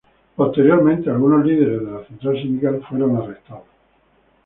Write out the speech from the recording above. Posteriormente, algunos líderes de la central sindical fueron arrestados.